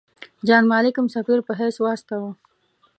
جان مالکم سفیر په حیث واستاوه.